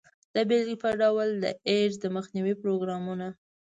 د بیلګې په ډول د ایډز د مخنیوي پروګرامونه.